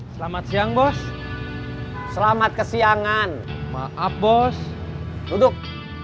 selamat siang bos selamat kesiangan maaf bos duduk